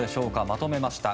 まとめました。